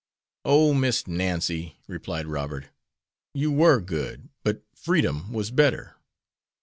"Oh, Miss Nancy," replied Robert; "you were good, but freedom was better."